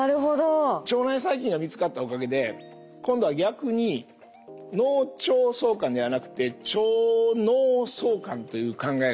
腸内細菌が見つかったおかげで今度は逆に「脳腸相関」ではなくて「腸脳相関」という考えが生まれてきて。